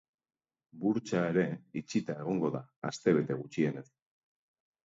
Burtsa ere itxita egongo da, astebete gutxienez.